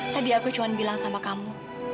tadi aku cuma bilang sama kamu